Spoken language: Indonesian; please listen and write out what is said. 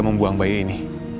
membuang bayi ini